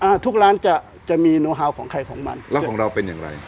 อ่าทุกร้านจะจะมีของไข่ของมันแล้วของเราเป็นอย่างไร